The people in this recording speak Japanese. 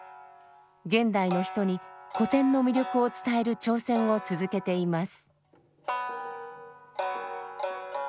現代の人に古典の魅力を伝える挑戦を続けています。